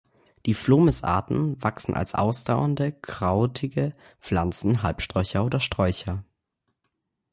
Die "Phlomis"-Arten wachsen als ausdauernde krautige Pflanzen, Halbsträucher oder Sträucher.